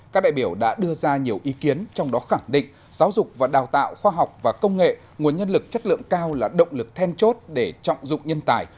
các đại biểu đã đưa ra nhiều ý kiến trong đó khẳng định giáo dục và đào tạo khoa học và công nghệ nguồn nhân lực chất lượng cao là động lực then chốt để trọng dụng nhân tài